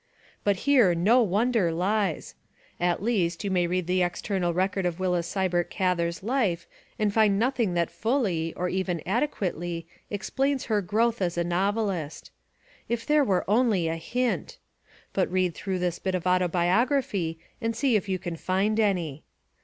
But here no wonder lies. At least, you may read the external 256 THE WOMEN WHO MAKE OUR NOVELS record of Willa Sibert Gather's life and find nothing that fully, or even adequately, explains her growth as a novelist. If there were only a hint! But read through this bit of autobiography and see if you can find any.